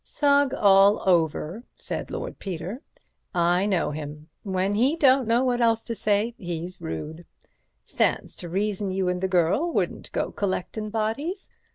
"Sugg all over," said Lord Peter, "I know him. When he don't know what else to say, he's rude, Stands to reason you and the girl wouldn't go collectin' bodies.